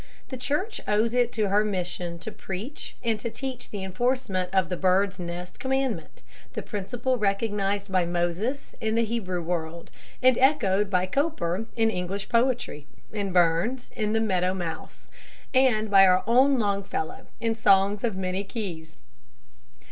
The church owes it to her mission to preach and to teach the enforcement of the "bird's nest commandment;" the principle recognized by Moses in the Hebrew world, and echoed by Cowper in English poetry, and Burns in the "Meadow Mouse," and by our own Longfellow in songs of many keys.